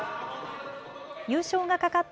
優勝がかかった